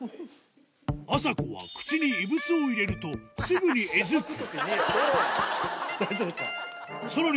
あさこは口に異物を入れるとすぐにえずくさらに